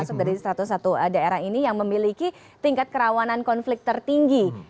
termasuk dari satu ratus satu daerah ini yang memiliki tingkat kerawanan konflik tertinggi